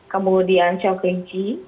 kemudian show kelinci